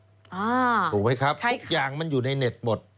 อ้าใช่ค่ะถูกไหมครับทุกอย่างมันอยู่ในเน็ตหมด